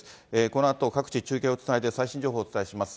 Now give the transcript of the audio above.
このあと各地中継をつないで最新情報をお伝えします。